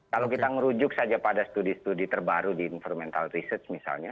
kalau kita merujuk saja pada studi studi terbaru di environmental research misalnya